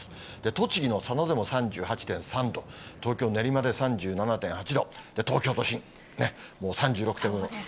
栃木の佐野でも３８．３度、東京・練馬で３７．８度、東京都心、もう３６．５度。